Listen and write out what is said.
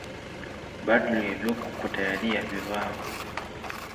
Badru eby'okukutta yali yabivaako.